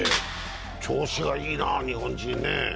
調子がいいな、日本人ね。